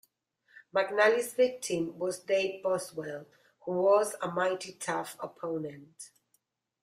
McNally's victim was Dave Boswell, who was a mighty tough opponent.